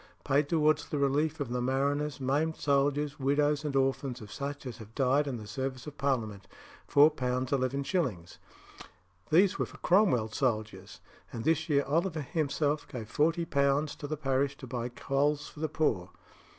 Paid towards the relief of the mariners, maimed soldiers, widows and orphans of such as have died in the service of Parliament 4 11 0 These were for Cromwell's soldiers; and this year Oliver himself gave £40 to the parish to buy coals for the poor.